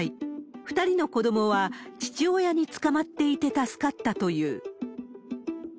２人の子どもは父親につかまっていて助かったという。